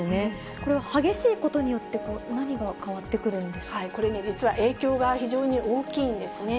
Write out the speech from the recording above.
これは激しいことによって、これね、実は影響が非常に大きいんですね。